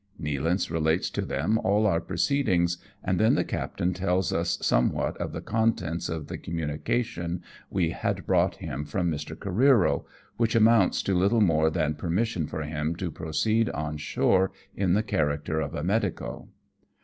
Nealance relates to them all our proceedings, and then the captain tells us somewhat of the contents of the communication we had brought him from Mr. Careero, which amounts to little more than permission for him to proceed on shore in the character of a medico.